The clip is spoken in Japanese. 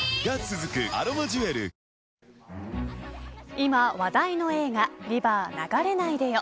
今、話題の映画リバー、流れないでよ。